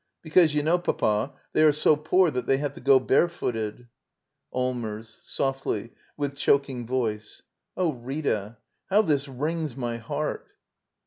Be cause you know, I'apa, they are so poor that they have to go bare footed. Allmers. [Softly, with choking voice.] Oh, Rita — how this wrings my heart